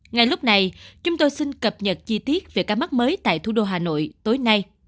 ngay lúc này chúng tôi xin cập nhật chi tiết về ca mắc mới tại thủ đô hà nội tối nay